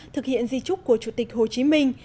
thực hiện di trúc của chủ tịch hồ chí minh